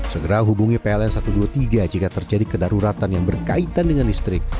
segera hubungi pln satu ratus dua puluh tiga jika terjadi kedaruratan yang berkaitan dengan listrik